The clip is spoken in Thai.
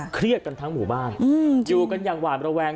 เครียดกันทั้งหมู่บ้านอยู่กันอย่างหวาดระแวง